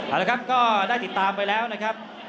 เอาละครับก็ได้ติดตามไปแล้วนะครับ